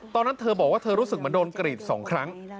ตอนนั้นเธอบอกว่าเธอรู้สึกเหมือนโดนกรีด๒ครั้ง